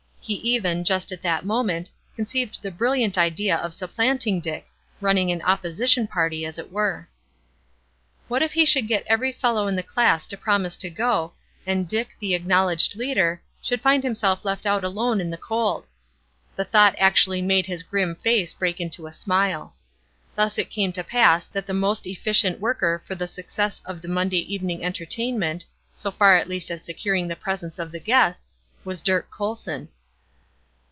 He even, just at that moment, conceived the brilliant idea of supplanting Dick running an opposition party, as it were. What if he should get every fellow in the class to promise to go, and Dick, the acknowledged leader, should find himself left out alone in the cold. The thought actually made his grim face break into a smile. Thus it came to pass that the most efficient worker for the success of the Monday evening entertainment, so far at least as securing the presence of the guests, was Dirk Colson.